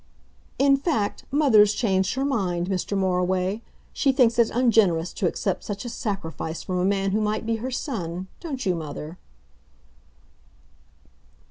"In fact, mother's changed her mind, Mr. Moriway. She thinks it ungenerous to accept such a sacrifice from a man who might be her son don't you, mother?"